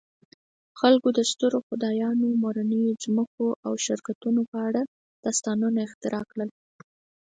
خلک د سترو خدایانو، مورنیو ځمکو او شرکتونو په اړه داستانونه اختراع کړل.